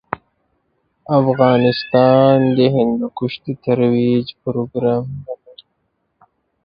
افغانستان د هندوکش د ترویج پروګرامونه لري.